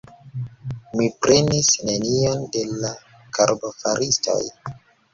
mi prenis nenion de la karbofaristoj!